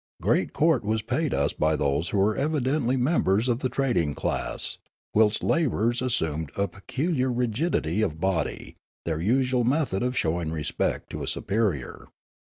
Great court was paid us b}' those who were evidently members of the trading class, whilst the labourers assumed a peculiar rigidity of body, their usual method of showing respect to a superior.